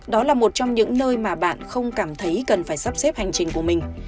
đó là một trong những nơi mà bạn không cảm thấy cần phải sắp xếp hành trình của mình